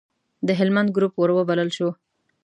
د هلمند ګروپ وروبلل شو.